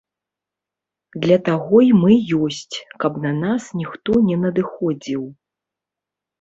Для таго і мы ёсць, каб на нас ніхто не надыходзіў.